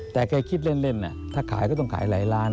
แต่แกคิดเล่นถ้าขายก็ต้องขายหลายล้าน